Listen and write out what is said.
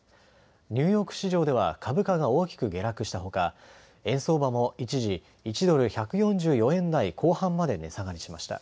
ニューヨーク市場では株価が大きく下落したほか円相場も一時１ドル１４４円台後半まで値下がりしました。